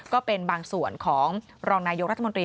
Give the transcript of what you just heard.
ก็เป็นบางส่วนของรองนายกรัฐมนตรี